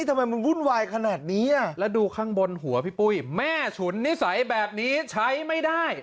ทำไมมันวุ่นวายขนาดนี้อ่ะแล้วดูข้างบนหัวพี่ปุ้ยแม่ฉุนนิสัยแบบนี้ใช้ไม่ได้